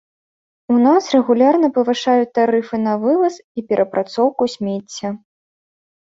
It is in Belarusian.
У нас рэгулярна павышаюцца тарыфы на вываз і перапрацоўку смецця.